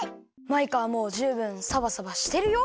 マイカはもうじゅうぶんサバサバしてるよ。